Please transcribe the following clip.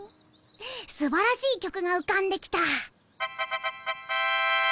すばらしい曲がうかんできた！